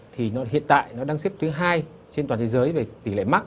thì hiện tại nó đang xếp thứ hai trên toàn thế giới về tỷ lệ mắc